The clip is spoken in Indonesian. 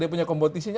dia punya kompetisinya